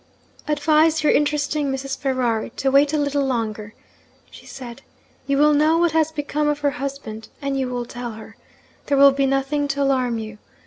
'Advise your interesting Mrs. Ferrari to wait a little longer,' she said. 'You will know what has become of her husband, and you will tell her. There will be nothing to alarm you.